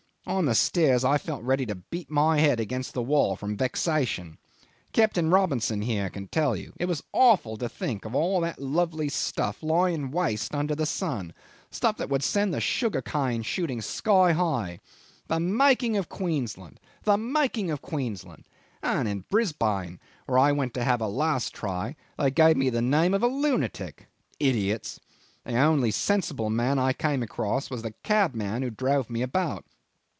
On the stairs I felt ready to beat my head against the wall from vexation. Captain Robinson here can tell you. It was awful to think of all that lovely stuff lying waste under the sun stuff that would send the sugar cane shooting sky high. The making of Queensland! The making of Queensland! And in Brisbane, where I went to have a last try, they gave me the name of a lunatic. Idiots! The only sensible man I came across was the cabman who drove me about.